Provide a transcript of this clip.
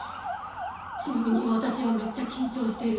ちなみに私はめっちゃ緊張してる。